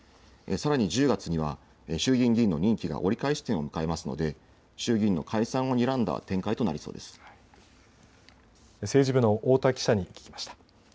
さらに１０月には衆議院議員の任期が折り返し点を迎えますので衆議院の解散をにらんだ政治部の太田記者に聞きました。